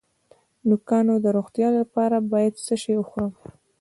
د نوکانو د روغتیا لپاره باید څه شی وخورم؟